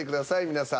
皆さん。